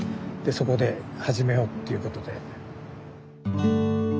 そこで始めようっていうことで。